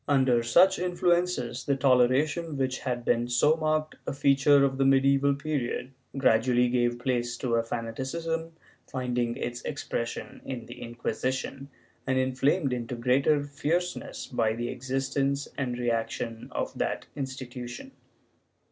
Under such influences, the toleration which had been so marked a feature of the medieval period gradually gave place to a fanati cism finding its expression in the Inquisition and inflamed into greater fierceness by the existence and reaction of that institution.